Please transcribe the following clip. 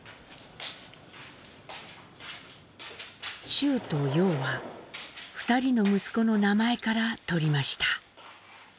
「舟」と「要」は２人の息子の名前からとりました。